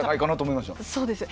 そうです。